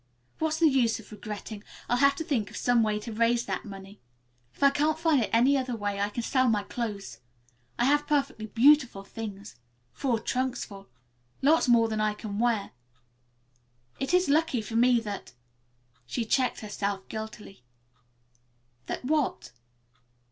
What's the use of regretting? I'll have to think of some way to raise that money. If I can't find it any other way I can sell my clothes. I have perfectly beautiful things. Four trunks full. Lots more than I can wear. It is lucky for me that " She checked herself guiltily. "That what?"